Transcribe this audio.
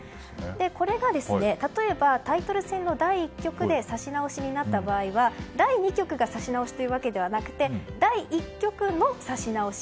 これが、例えばタイトル戦の第１局で指し直しになった場合は第２局が指し直しというわけではなくて第１局の指し直し